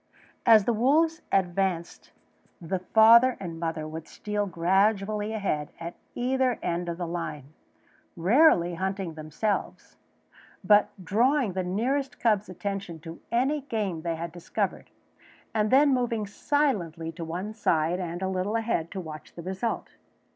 As the wolves advanced the father and mother would steal gradually ahead at either end of the line, rarely hunting themselves, but drawing the nearest cub's attention to any game they had discovered, and then moving silently to one side and a little ahead to watch the result.